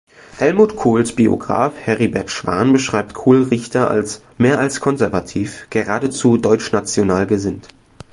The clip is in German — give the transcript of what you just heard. Helmut Kohls Biograf Heribert Schwan beschreibt Kohl-Richter als „mehr als konservativ, geradezu deutschnational“ gesinnt.